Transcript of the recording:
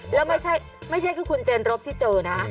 แล้วไม่ใช่คือคุณเจนรบที่เจอนะ